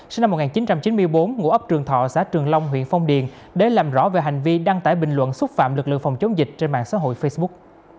sinh năm một nghìn chín trăm chín mươi bốn ngụ ấp trường thọ xã trường long huyện phong điền để làm rõ về hành vi đăng tải bình luận xúc phạm lực lượng phòng chống dịch trên mạng xã hội facebook